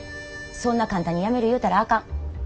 そんな簡単にやめる言うたらあかん。